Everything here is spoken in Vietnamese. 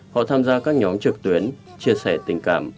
họ tham gia các nhóm trực tuyến chia sẻ tình cảm